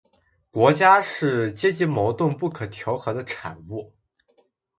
国家是阶级矛盾不可调和的产物